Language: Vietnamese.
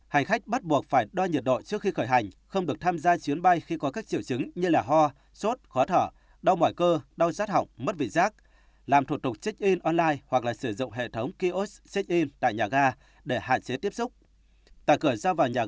hành khách bắt buộc phải đo nhiệt độ trước khi khởi hành không được tham gia chuyến bay khi có các triệu chứng như ho sốt khó thở đau mỏi cơ đau giác học mất vị giác làm thủ tục check in online hoặc sử dụng hệ thống kiosk check in tại nhà ga để hạ chiến